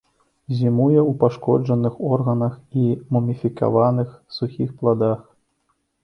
Зімуе ў пашкоджаных органах і муміфікаваных сухіх пладах.